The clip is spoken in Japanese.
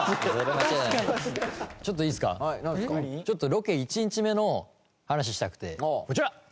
ちょっとロケ１日目の話したくて。